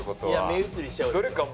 目移りしちゃう。